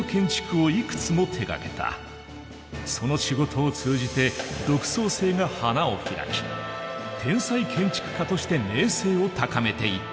その仕事を通じて独創性が花を開き天才建築家として名声を高めていった。